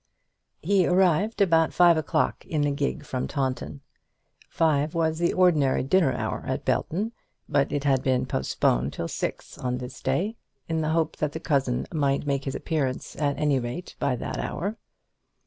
He arrived about five o'clock in a gig from Taunton. Five was the ordinary dinner hour at Belton, but it had been postponed till six on this day, in the hope that the cousin might make his appearance at any rate by that hour.